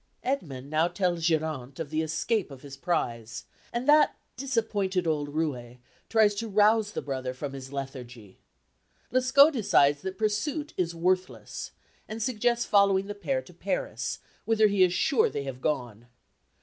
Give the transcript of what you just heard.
Edmund now tells Geronte of the escape of his prize, and that disappointed old roué tries to rouse the brother from his lethargy. Lescaut decides that pursuit is worthless, and suggests following the pair to Paris, whither he is sure they have gone.